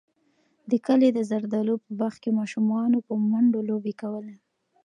د کلي د زردالیو په باغ کې ماشومانو په منډو لوبې کولې.